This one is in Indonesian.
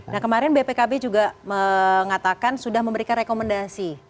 nah kemarin bpkb juga mengatakan sudah memberikan rekomendasi